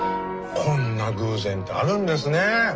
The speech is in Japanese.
こんな偶然てあるんですねえ。